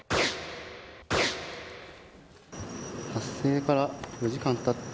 発生から４時間たった